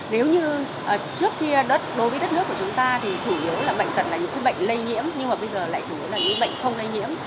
nếu như trước kia đối với đất nước của chúng ta thì chủ yếu là bệnh tật là những bệnh lây nhiễm nhưng mà bây giờ lại chủ yếu là những bệnh không lây nhiễm